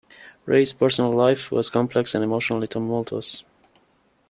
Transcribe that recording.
Raye's personal life was complex and emotionally tumultuous.